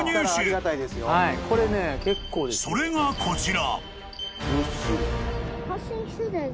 ［それがこちら］